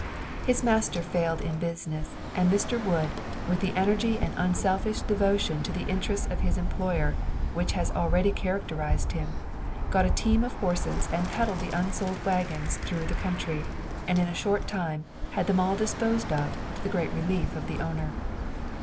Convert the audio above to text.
His master failed in business, and Mr. Wood, with that energy and unselfish devotion to the interests of his employer which has always characterized him, got a team of horses and peddled the unsold wagons through the country, and in a short time had them all disposed of, to the great relief of the owner.